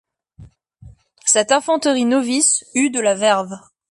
Cette infanterie novice eut de la verve.